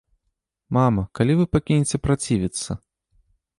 Мама, калі вы пакінеце працівіцца?